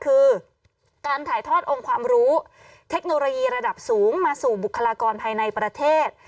คือการถ่ายทอดองค์ความรู้เทคโนโลยีระดับสูงมาสู่บุคลากรภายในประเทศ